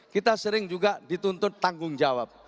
kita sering juga dituntut tanggung jawab